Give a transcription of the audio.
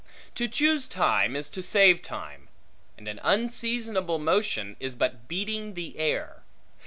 To choose time, is to save time; and an unseasonable motion, is but beating the air.